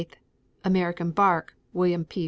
American bark, William P.